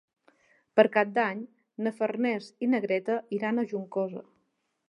Per Cap d'Any na Farners i na Greta iran a Juncosa.